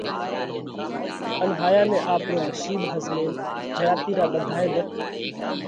ان ھايا نئہ آپرو نشِيٻ ۿزمينَ حياتِي را ٻڌائي ۮک